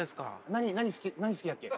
何好きだっけ？